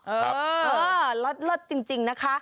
เออเลิศจริงนะคะ